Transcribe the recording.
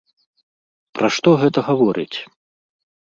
Пра што гэта гаворыць?